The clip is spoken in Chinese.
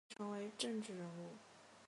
可能会成为政治人物